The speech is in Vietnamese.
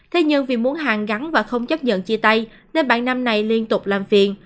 thế nhưng vì muốn hàng gắn và không chấp nhận chia tay nên bạn nam này liên tục làm phiền